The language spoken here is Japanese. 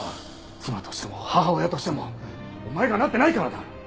妻としても母親としてもお前がなってないからだ！